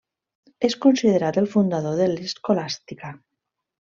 És considerat el fundador de l'escolàstica.